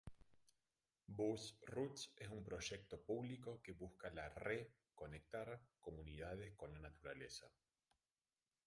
Bus Roots es un proyecto público que busca la re-conectar comunidades con la naturaleza.